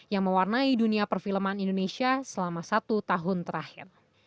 yang mewarnai dunia perfilman indonesia selama satu tahun terakhir